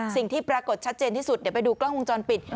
สิ่งที่ปรากฏชัดเจนที่สุดเดี๋ยวไปดูกล้องวงจรปิด